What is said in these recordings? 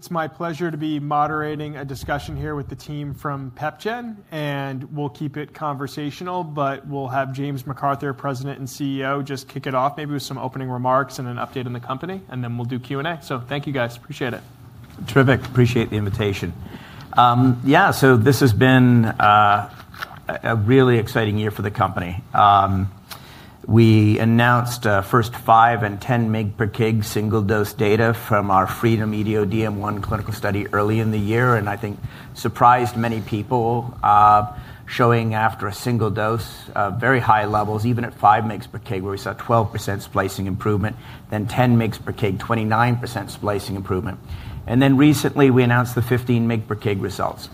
It's my pleasure to be moderating a discussion here with the team from PepGen, and we'll keep it conversational, but we'll have James McArthur, President and CEO, just kick it off maybe with some opening remarks and an update on the company, and then we'll do Q&A. Thank you, guys. Appreciate it. Terrific. Appreciate the invitation. Yeah, so this has been a really exciting year for the company. We announced first 5 and 10 mg/kg single-dose data from our FREEDOM-DM1 clinical study early in the year, and I think surprised many people, showing after a single dose very high levels, even at 5 mg/kg, where we saw a 12% splicing improvement, then 10 mg/kg, 29% splicing improvement. Recently we announced the 15 mg/kg results,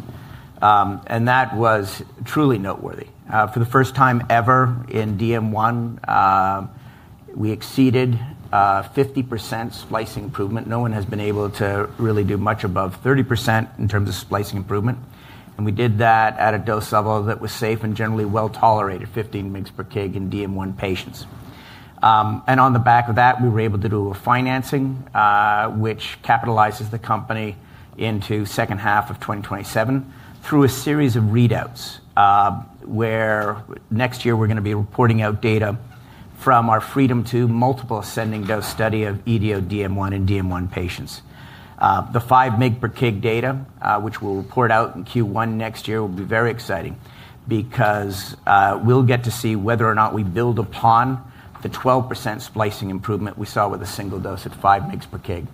and that was truly noteworthy. For the first time ever in DM1, we exceeded 50% splicing improvement. No one has been able to really do much above 30% in terms of splicing improvement, and we did that at a dose level that was safe and generally well tolerated, 15 mg/kg in DM1 patients. On the back of that, we were able to do a financing, which capitalizes the company into the second half of 2027, through a series of readouts, where next year we're going to be reporting out data from our FREEDOM-DM1 multiple ascending dose study of EDO DM1 in DM1 patients. The 5 mg/kg data, which we'll report out in Q1 next year, will be very exciting because we'll get to see whether or not we build upon the 12% splicing improvement we saw with a single dose at 5 mg/kg.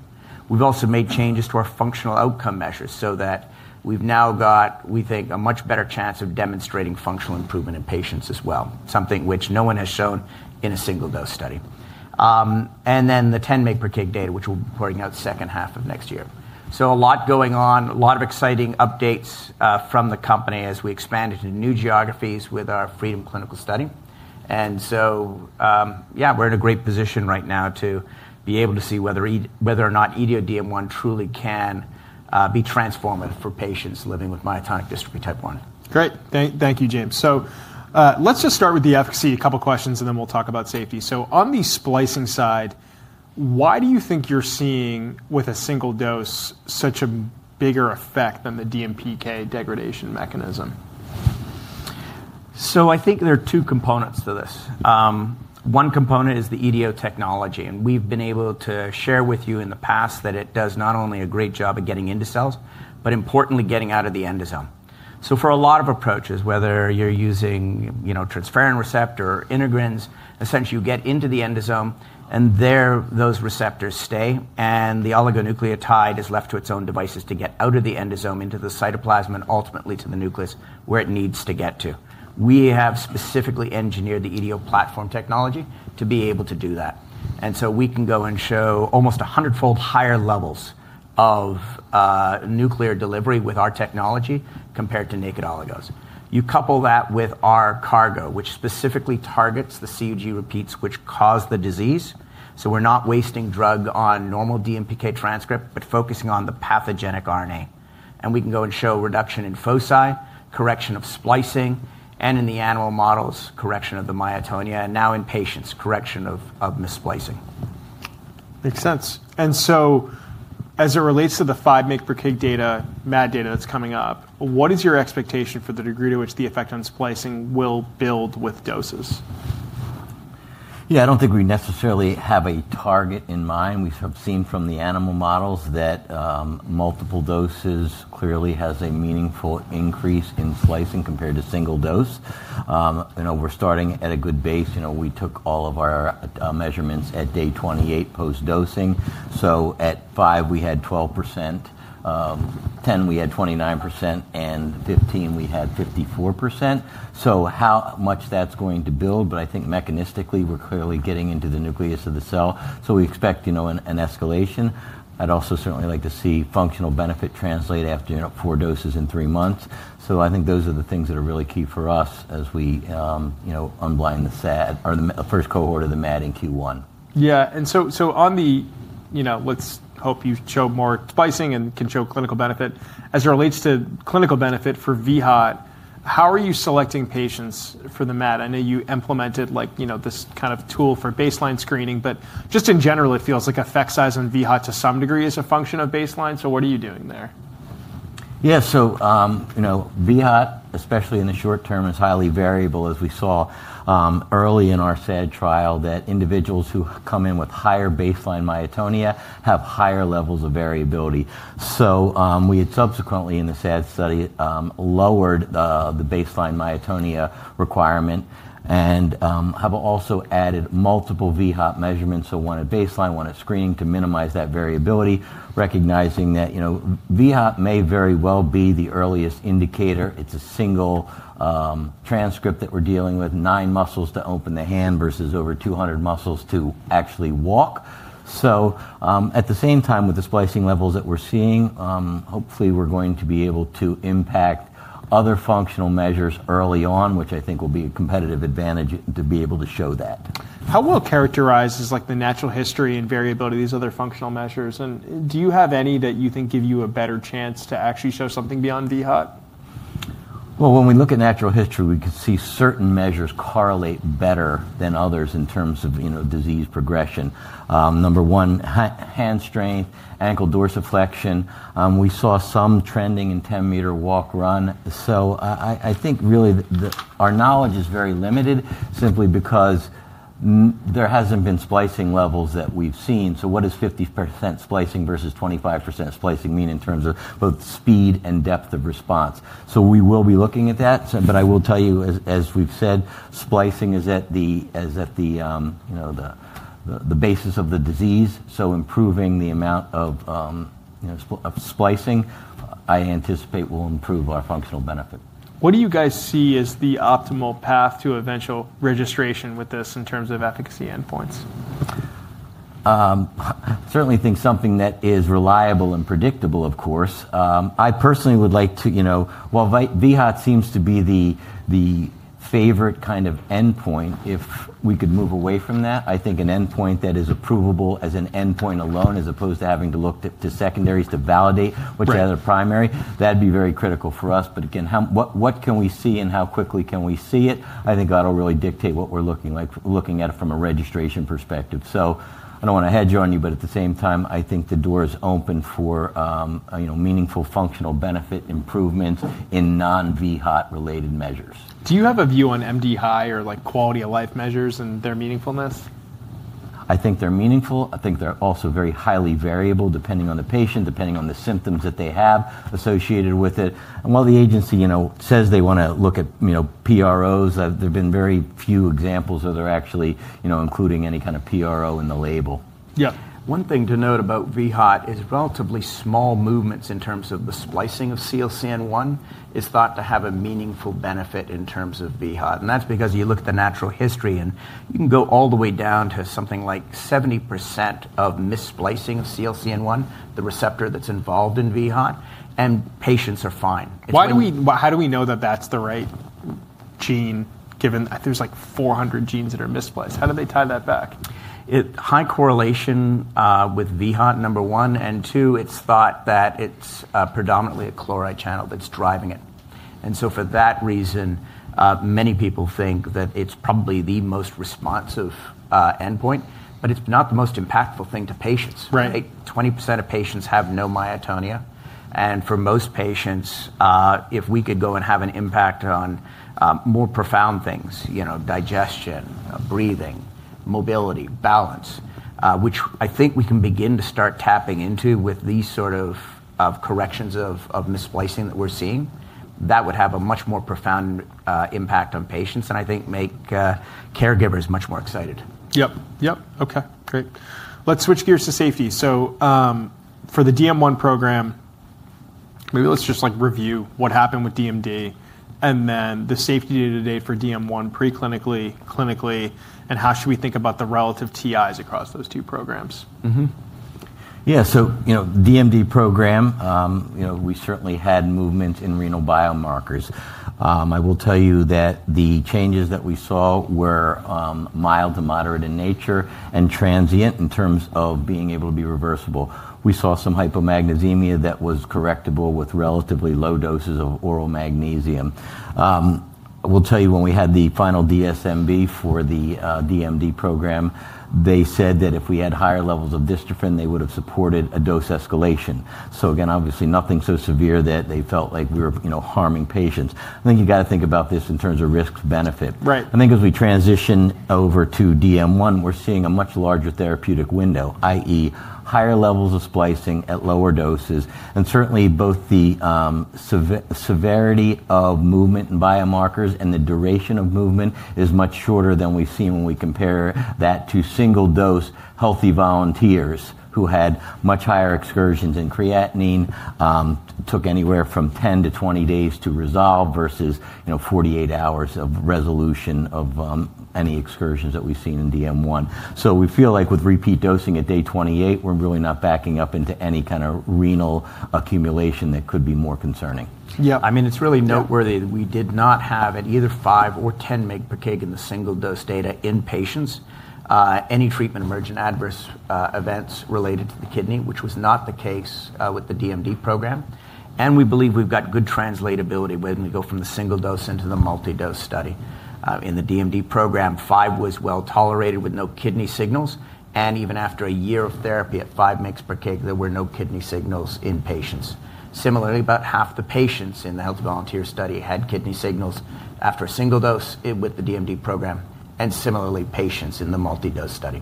We've also made changes to our functional outcome measures so that we've now got, we think, a much better chance of demonstrating functional improvement in patients as well, something which no one has shown in a single-dose study. The 10 mg/kg data, which we'll be reporting out the second half of next year. A lot going on, a lot of exciting updates from the company as we expand into new geographies with our FREEDOM-DM1 clinical study. Yeah, we're in a great position right now to be able to see whether or not EDO DM1 truly can be transformative for patients living with myotonic dystrophy type 1. Great. Thank you, James. Let's just start with the efficacy, a couple of questions, and then we'll talk about safety. On the splicing side, why do you think you're seeing with a single dose such a bigger effect than the DMPK degradation mechanism? I think there are two components to this. One component is the EDO technology, and we've been able to share with you in the past that it does not only a great job at getting into cells, but importantly, getting out of the endosome. For a lot of approaches, whether you're using transferrin receptor or integrins, essentially you get into the endosome and there those receptors stay, and the oligonucleotide is left to its own devices to get out of the endosome into the cytoplasm and ultimately to the nucleus where it needs to get to. We have specifically engineered the EDO platform technology to be able to do that. We can go and show almost 100-fold higher levels of nuclear delivery with our technology compared to naked oligos. You couple that with our cargo, which specifically targets the CUG repeats which cause the disease, so we're not wasting drug on normal DMPK transcript, but focusing on the pathogenic RNA. We can go and show reduction in foci, correction of splicing, and in the animal models, correction of the myotonia, and now in patients, correction of mis-splicing. Makes sense. As it relates to the 5 mg/kg data, MAD data that's coming up, what is your expectation for the degree to which the effect on splicing will build with doses? Yeah, I don't think we necessarily have a target in mind. We have seen from the animal models that multiple doses clearly has a meaningful increase in splicing compared to single dose. We're starting at a good base. We took all of our measurements at day 28 post-dosing. At 5, we had 12%. At 10, we had 29%, and at 15, we had 54%. How much that's going to build, but I think mechanistically we're clearly getting into the nucleus of the cell, so we expect an escalation. I'd also certainly like to see functional benefit translate after four doses in three months. I think those are the things that are really key for us as we unblind the first cohort of the MAD in Q1. Yeah. And on the, let's hope you show more splicing and can show clinical benefit, as it relates to clinical benefit for VHOT, how are you selecting patients for the MAD? I know you implemented this kind of tool for baseline screening, but just in general, it feels like effect size on VHOT to some degree is a function of baseline. What are you doing there? Yeah, so VHOT, especially in the short term, is highly variable, as we saw early in our SAD trial that individuals who come in with higher baseline myotonia have higher levels of variability. We had subsequently in the SAD study lowered the baseline myotonia requirement and have also added multiple VHOT measurements, one at baseline, one at screening, to minimize that variability, recognizing that VHOT may very well be the earliest indicator. It is a single transcript that we're dealing with, nine muscles to open the hand versus over 200 muscles to actually walk. At the same time with the splicing levels that we're seeing, hopefully we're going to be able to impact other functional measures early on, which I think will be a competitive advantage to be able to show that. How well characterized is the natural history and variability of these other functional measures, and do you have any that you think give you a better chance to actually show something beyond VHOT? When we look at natural history, we can see certain measures correlate better than others in terms of disease progression. Number one, hand strength, ankle dorsiflexion. We saw some trending in 10-meter walk-run. I think really our knowledge is very limited simply because there hasn't been splicing levels that we've seen. What does 50% splicing versus 25% splicing mean in terms of both speed and depth of response? We will be looking at that, but I will tell you, as we've said, splicing is at the basis of the disease, so improving the amount of splicing, I anticipate will improve our functional benefit. What do you guys see as the optimal path to eventual registration with this in terms of efficacy endpoints? Certainly think something that is reliable and predictable, of course. I personally would like to, while VHOT seems to be the favorite kind of endpoint, if we could move away from that, I think an endpoint that is approvable as an endpoint alone, as opposed to having to look to secondaries to validate what's the other primary, that'd be very critical for us. Again, what can we see and how quickly can we see it? I think that'll really dictate what we're looking like, looking at it from a registration perspective. I don't want to hedge on you, but at the same time, I think the door is open for meaningful functional benefit improvements in non-VHOT-related measures. Do you have a view on MD High or quality of life measures and their meaningfulness? I think they're meaningful. I think they're also very highly variable depending on the patient, depending on the symptoms that they have associated with it. While the agency says they want to look at PROs, there have been very few examples of there actually including any kind of PRO in the label. Yeah. One thing to note about VHOT is relatively small movements in terms of the splicing of CLCN1 is thought to have a meaningful benefit in terms of VHOT. That's because you look at the natural history and you can go all the way down to something like 70% of mis-splicing of CLCN1, the receptor that's involved in VHOT, and patients are fine. How do we know that that's the right gene given there's like 400 genes that are misspliced? How do they tie that back? High correlation with VHOT, number one. Two, it's thought that it's predominantly a chloride channel that's driving it. For that reason, many people think that it's probably the most responsive endpoint, but it's not the most impactful thing to patients. 20% of patients have no myotonia. For most patients, if we could go and have an impact on more profound things, digestion, breathing, mobility, balance, which I think we can begin to start tapping into with these sort of corrections of mis-splicing that we're seeing, that would have a much more profound impact on patients and I think make caregivers much more excited. Yep. Yep. Okay. Great. Let's switch gears to safety. For the DM1 program, maybe let's just review what happened with DMD and then the safety data today for DM1 preclinically, clinically, and how should we think about the relative TIs across those two programs? Yeah. DMD program, we certainly had movements in renal biomarkers. I will tell you that the changes that we saw were mild to moderate in nature and transient in terms of being able to be reversible. We saw some hypomagnesemia that was correctable with relatively low doses of oral magnesium. I will tell you when we had the final DSMB for the DMD program, they said that if we had higher levels of dystrophin, they would have supported a dose escalation. Again, obviously nothing so severe that they felt like we were harming patients. I think you got to think about this in terms of risk-benefit. I think as we transition over to DM1, we're seeing a much larger therapeutic window, i.e., higher levels of splicing at lower doses. Certainly both the severity of movement and biomarkers and the duration of movement is much shorter than we've seen when we compare that to single-dose healthy volunteers who had much higher excursions in creatinine, took anywhere from 10-20 days to resolve versus 48 hours of resolution of any excursions that we've seen in DM1. We feel like with repeat dosing at day 28, we're really not backing up into any kind of renal accumulation that could be more concerning. Yeah. I mean, it's really noteworthy that we did not have at either 5 or 10 mg/kg in the single-dose data in patients any treatment emergent adverse events related to the kidney, which was not the case with the DMD program. We believe we've got good translatability when we go from the single dose into the multi-dose study. In the DMD program, 5 was well tolerated with no kidney signals, and even after a year of therapy at 5 mg/kg, there were no kidney signals in patients. Similarly, about half the patients in the healthy volunteer study had kidney signals after a single dose with the DMD program, and similarly, patients in the multi-dose study.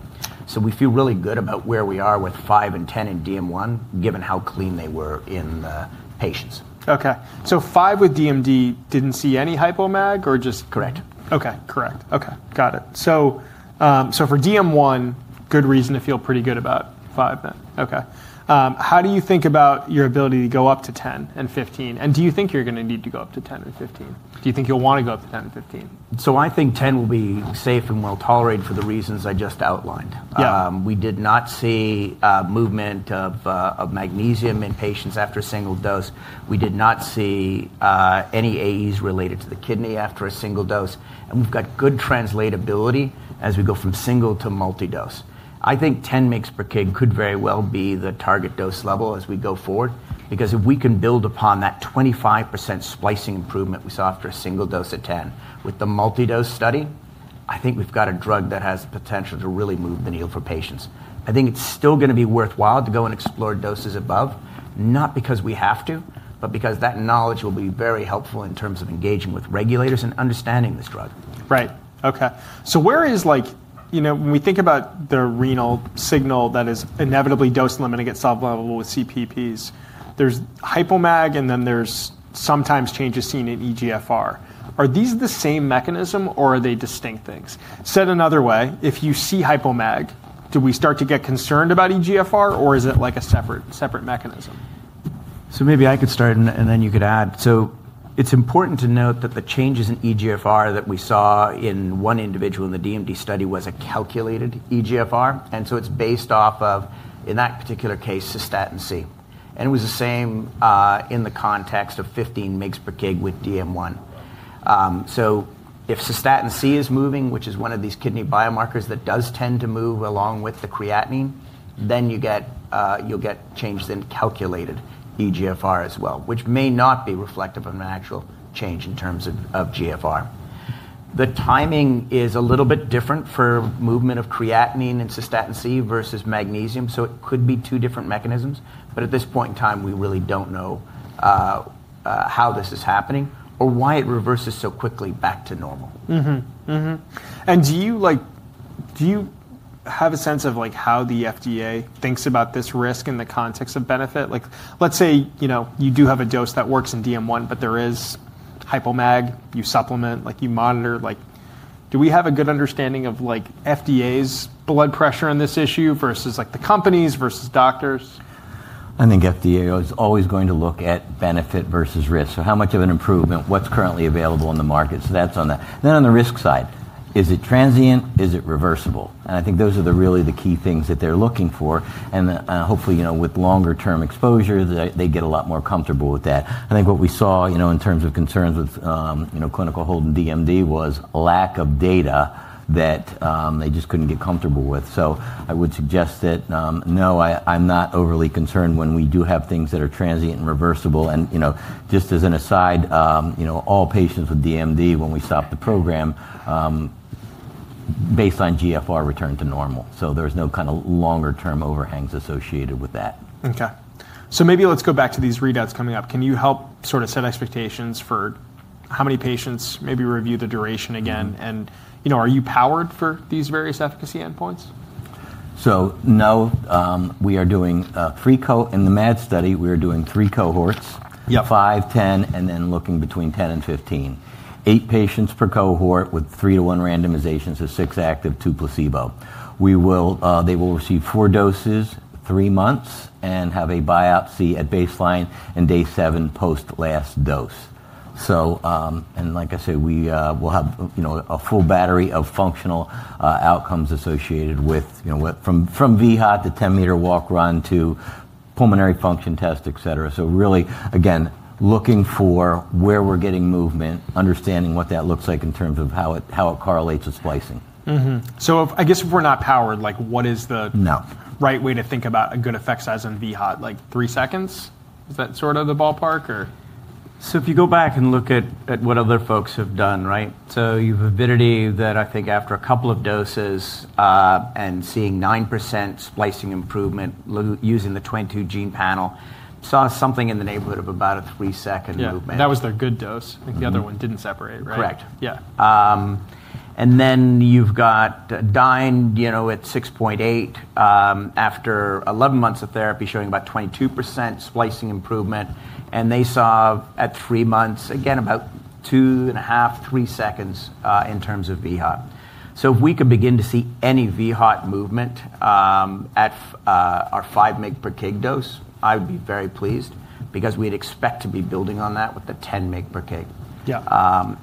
We feel really good about where we are with 5 and 10 in DM1, given how clean they were in the patients. Okay. So five with DMD didn't see any hypomag or just? Correct. Okay. Correct. Okay. Got it. For DM1, good reason to feel pretty good about 5 then. How do you think about your ability to go up to 10 and 15? Do you think you're going to need to go up to 10 and 15? Do you think you'll want to go up to 10 and 15? I think 10 will be safe and well tolerated for the reasons I just outlined. We did not see movement of magnesium in patients after a single dose. We did not see any AEs related to the kidney after a single dose. We have good translatability as we go from single to multi-dose. I think 10 mg/kg could very well be the target dose level as we go forward because if we can build upon that 25% splicing improvement we saw after a single dose at 10 with the multi-dose study, I think we have a drug that has the potential to really move the needle for patients. I think it is still going to be worthwhile to go and explore doses above, not because we have to, but because that knowledge will be very helpful in terms of engaging with regulators and understanding this drug. Right. Okay. So where is, when we think about the renal signal that is inevitably dose-limiting at sublevel with CPPs, there's hypomag and then there's sometimes changes seen in eGFR. Are these the same mechanism or are they distinct things? Said another way, if you see hypomag, do we start to get concerned about eGFR or is it like a separate mechanism? Maybe I could start and then you could add. It's important to note that the changes in eGFR that we saw in one individual in the DMD study was a calculated eGFR. It's based off of, in that particular case, cystatin C. It was the same in the context of 15 mg/kg with DM1. If cystatin C is moving, which is one of these kidney biomarkers that does tend to move along with the creatinine, then you'll get changes in calculated eGFR as well, which may not be reflective of an actual change in terms of GFR. The timing is a little bit different for movement of creatinine and cystatin C versus magnesium, so it could be two different mechanisms. At this point in time, we really don't know how this is happening or why it reverses so quickly back to normal. Do you have a sense of how the FDA thinks about this risk in the context of benefit? Let's say you do have a dose that works in DM1, but there is hypomag, you supplement, you monitor. Do we have a good understanding of FDA's blood pressure on this issue versus the companies versus doctors? I think FDA is always going to look at benefit versus risk. How much of an improvement, what's currently available in the market? That's on that. On the risk side, is it transient? Is it reversible? I think those are really the key things that they're looking for. Hopefully with longer-term exposure, they get a lot more comfortable with that. I think what we saw in terms of concerns with clinical hold in DMD was lack of data that they just could not get comfortable with. I would suggest that, no, I'm not overly concerned when we do have things that are transient and reversible. Just as an aside, all patients with DMD, when we stopped the program, baseline eGFR returned to normal. There's no kind of longer-term overhangs associated with that. Okay. Maybe let's go back to these readouts coming up. Can you help sort of set expectations for how many patients, maybe review the duration again? Are you powered for these various efficacy endpoints? No. We are doing three in the MAD study, we are doing three cohorts: 5, 10, and then looking between 10 and 15. Eight patients per cohort with three to one randomizations, so six active, two placebo. They will receive four doses, three months, and have a biopsy at baseline and day seven post-last dose. Like I said, we will have a full battery of functional outcomes associated with from VHOT to 10-meter walk-run to pulmonary function test, etc. Really, again, looking for where we're getting movement, understanding what that looks like in terms of how it correlates with splicing. I guess if we're not powered, what is the right way to think about a good effect size on VHOT? Like three seconds? Is that sort of the ballpark or? If you go back and look at what other folks have done, right? You have Avidity that I think after a couple of doses and seeing 9% splicing improvement using the 22-gene panel, saw something in the neighborhood of about a three-second movement. Yeah. That was their good dose. I think the other one didn't separate, right? Correct. Yeah. You've got Dyne at 6.8 after 11 months of therapy showing about 22% splicing improvement. They saw at three months, again, about two and a half, three seconds in terms of VHOT. If we could begin to see any VHOT movement at our 5 mg/kg dose, I would be very pleased because we'd expect to be building on that with the 10 mg/kg.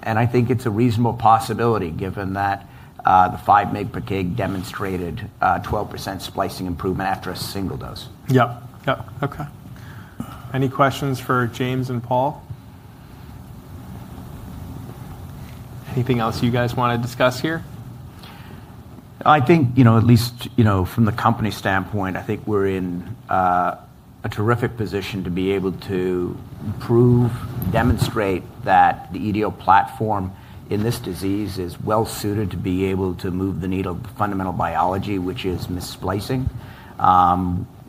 I think it's a reasonable possibility given that the 5 mg/kg demonstrated 12% splicing improvement after a single dose. Yep. Yep. Okay. Any questions for James and Paul? Anything else you guys want to discuss here? I think at least from the company standpoint, I think we're in a terrific position to be able to prove, demonstrate that the EDO platform in this disease is well suited to be able to move the needle of fundamental biology, which is mis-splicing.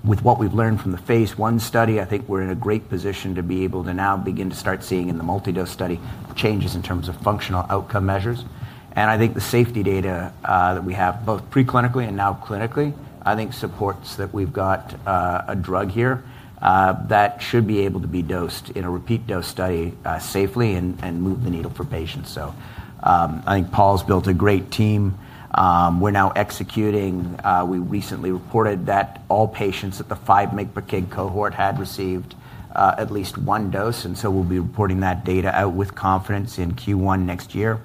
With what we've learned from the phase one study, I think we're in a great position to be able to now begin to start seeing in the multi-dose study changes in terms of functional outcome measures. I think the safety data that we have both preclinically and now clinically, I think supports that we've got a drug here that should be able to be dosed in a repeat dose study safely and move the needle for patients. I think Paul's built a great team. We're now executing. We recently reported that all patients at the 5 mg/kg cohort had received at least one dose. We'll be reporting that data out with confidence in Q1 next year.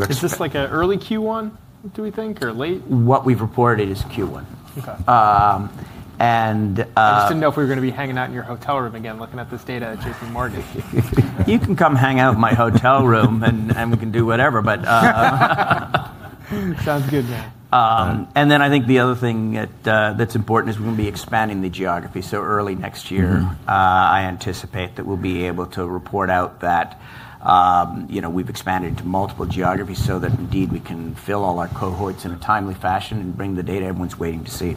Is this like an early Q1, do we think, or late? What we've reported is Q1. Okay. I just didn't know if we were going to be hanging out in your hotel room again looking at this data at JPMorgan. You can come hang out in my hotel room and we can do whatever. Sounds good, man. I think the other thing that's important is we're going to be expanding the geography. Early next year, I anticipate that we'll be able to report out that we've expanded to multiple geographies so that indeed we can fill all our cohorts in a timely fashion and bring the data everyone's waiting to see.